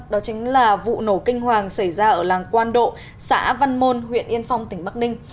đó chính là vụ nổ kinh hoàng xảy ra ở làng quan độ xã văn môn huyện yên phong tỉnh bắc ninh